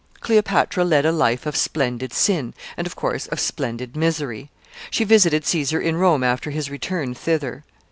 ] Cleopatra led a life of splendid sin, and, of course, of splendid misery. She visited Caesar in Rome after his return thither.